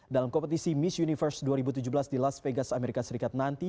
dalam kompetisi miss universe dua ribu tujuh belas di las vegas amerika serikat nanti